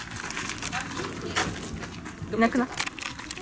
いなくなった？